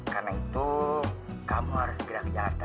karena itu kamu harus segera ke jakarta